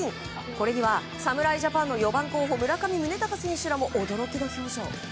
これには侍ジャパンの４番候補、村上宗隆選手らも驚きの表情。